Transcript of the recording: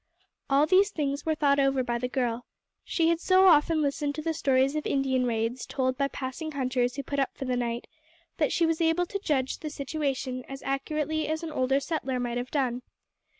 All these things were thought over by the girl. She had so often listened to the stories of Indian raids told by passing hunters who put up for the night, that she was able to judge the situation as accurately as an older settler might have done.